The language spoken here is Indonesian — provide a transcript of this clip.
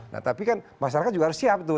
nah tapi kan masyarakat juga harus siap tuh